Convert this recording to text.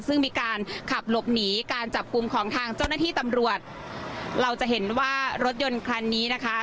ซึ่งมีการขับหลบหนีการจับกลุ่มของทางเจ้าหน้าที่ตำรวจเราจะเห็นว่ารถยนต์คันนี้นะคะ